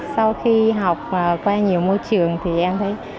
sau khi học qua nhiều môi trường thì em thấy